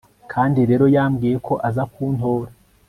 kandi rero yambwiye ko aza kuntora